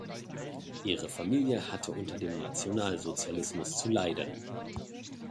Ihre Familie hatte unter dem Nationalsozialismus zu leiden.